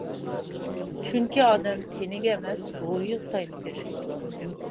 چۈنكى، ئادەم تېنىگە ئەمەس، روھىغا تايىنىپ ياشايدۇ.